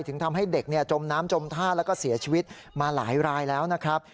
ถึงทำให้เด็กจมน้ำจมท่าแล้วก็เสียชีวิตมาหลายรายแล้วนะครับ